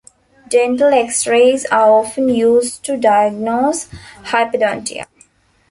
Dental X-rays are often used to diagnose hyperdontia.